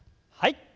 はい。